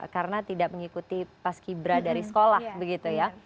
karena tidak mengikuti paskibra dari sekolah begitu ya